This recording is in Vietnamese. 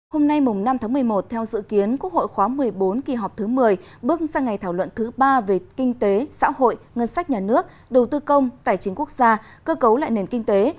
hôm nay năm tháng một mươi một theo dự kiến quốc hội khóa một mươi bốn kỳ họp thứ một mươi bước sang ngày thảo luận thứ ba về kinh tế xã hội ngân sách nhà nước đầu tư công tài chính quốc gia cơ cấu lại nền kinh tế